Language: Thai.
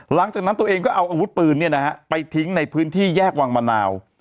หลังจากนั้นตัวเองก็เอาอาวุธปืนไปทิ้งในพื้นที่แยกวังมะนาว